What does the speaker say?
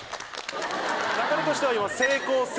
流れとしては今。